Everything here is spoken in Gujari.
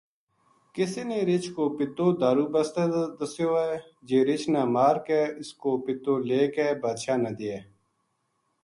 کسے نے رچھ کو پِتو دارو بسطے دسیو ہے جی رچھ نا مار کے اُس کو پِتو لے کے بادشاہ نا دیے